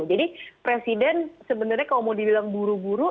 jadi presiden sebenarnya kalau mau dibilang buru buru